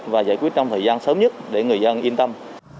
và giải quyết trong thời gian sớm nhất để người dân yên tâm